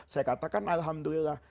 saya katakan alhamdulillah